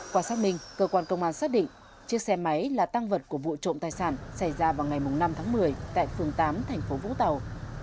qua xác minh cơ quan công an xác định chiếc xe máy là tăng vật của vụ trộm tài sản xảy ra vào ngày năm tháng một mươi tại phường tám thành phố vũng tàu